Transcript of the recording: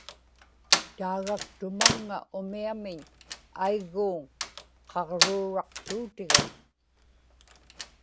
taagaktumaŋŋa umiamiñ aigguuŋ qaġruuraqtuutiga